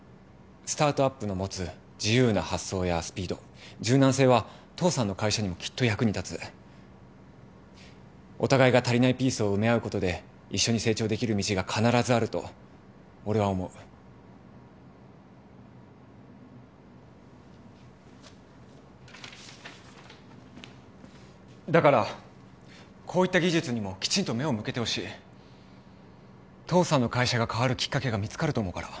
スタートアップの持つ自由な発想やスピード柔軟性は父さんの会社にもきっと役に立つお互いが足りないピースを埋め合うことで一緒に成長できる道が必ずあると俺は思うだからこういった技術にもきちんと目を向けてほしい父さんの会社が変わるきっかけが見つかると思うから